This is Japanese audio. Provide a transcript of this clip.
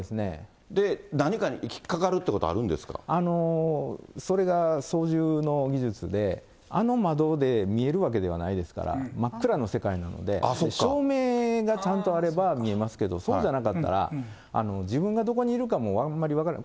何かに引っかかるということそれが操縦の技術で、あの窓で見えるわけではないですから、真っ暗な世界ですから、照明がちゃんとあれば見えますけど、そうじゃなかったら、自分がどこにいるかもあんまり分からない。